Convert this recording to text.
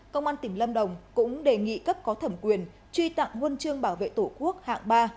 công an tỉnh lâm đồng cũng đề nghị cấp có thẩm quyền truy tặng nguồn trương bảo vệ tổ quốc hạng ba